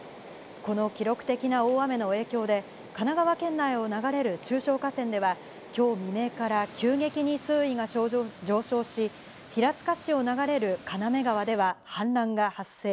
この記録的な大雨の影響で、神奈川県内を流れる中小河川では、きょう未明から急激に水位が上昇し、平塚市を流れる金目川では氾濫が発生。